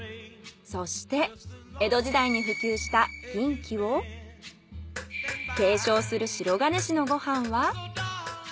そして江戸時代に普及した銀器を敬称する銀師のご飯は。